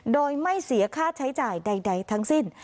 โดยไม่เสียค่าใช้จ่ายใดทั้งสิ้น